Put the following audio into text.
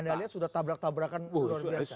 anda lihat sudah tabrak tabrakan luar biasa